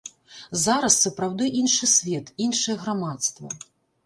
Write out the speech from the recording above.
Зараз сапраўды іншы свет, іншае грамадства.